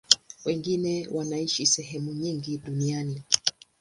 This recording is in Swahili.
Wengine wanaishi sehemu nyingi duniani.